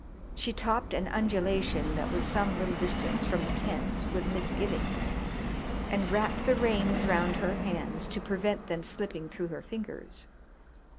She topped an undulation that was some little distance from the tents with misgivings, and wrapped the reins round her hands to prevent them slipping through her fingers.